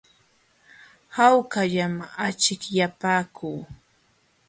Hawkallam achikyapaakuu.